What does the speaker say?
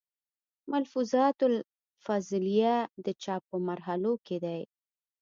ملفوظات الافضلېه، د چاپ پۀ مرحلو کښې دی